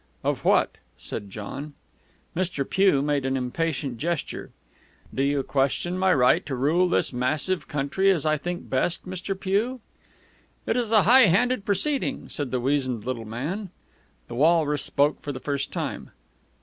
"Of what?" said John. Mr. Pugh made an impatient gesture. "Do you question my right to rule this massive country as I think best, Mr. Pugh?" "It is a high handed proceeding," said the wizened little man. The walrus spoke for the first time.